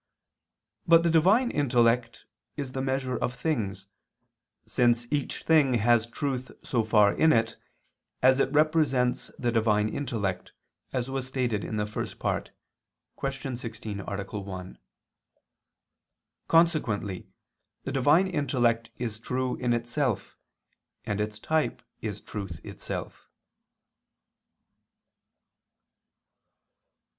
But the Divine intellect is the measure of things: since each thing has so far truth in it, as it represents the Divine intellect, as was stated in the First Part (Q. 16, A. 1). Consequently the Divine intellect is true in itself; and its type is truth itself.